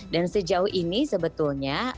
dan sejauh ini sebetulnya